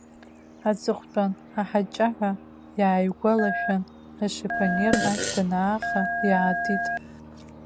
Аҵыхәтәан аҳаҷаҳәа иааигәалашәан, ашифонер ашә данааха иаатит.